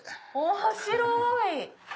面白い。